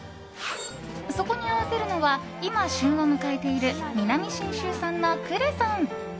そこに合わせるのは今、旬を迎えている南信州産のクレソン。